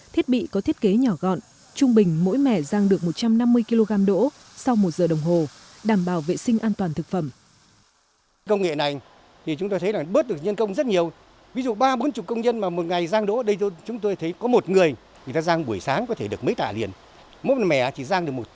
thiết bị có thiết kế nhỏ gọn trung bình mỗi mẻ rang được một trăm năm mươi kg đỗ sau một giờ đồng hồ đảm bảo vệ sinh an toàn thực phẩm